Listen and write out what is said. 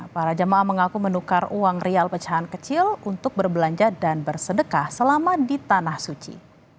para jemaah mengaku menukar uang rial pecahan kecil untuk berbelanja dan bersedekah selama di tanah suci